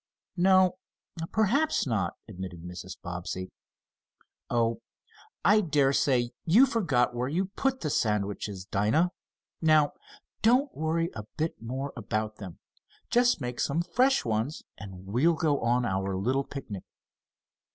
"No, perhaps not," admitted Mrs. Bobbsey. "Oh, I dare say you forgot where you put the sandwiches, Dinah. Now don't worry a bit more about them. Just make some fresh ones, and we'll go on our little picnic."